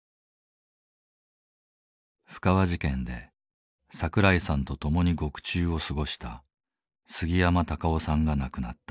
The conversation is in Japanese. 布川事件で桜井さんと共に獄中を過ごした杉山卓男さんが亡くなった。